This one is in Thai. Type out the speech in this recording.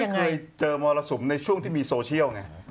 เคยเจอมรสุมในช่วงที่มีโซเชียลไง